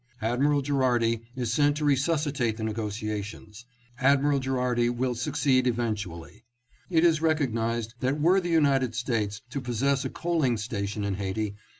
Admiral Gherardi is sent to resusci tate the negotiations. Admiral Gherardi will succeed 726 ADMIRAL GHERARDI. eventually." "It is recognized that were the United States to possess a coaling station in Haiti